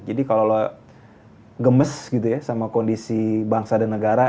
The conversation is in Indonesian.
jadi kalo lo gemes gitu ya sama kondisi bangsa dan negara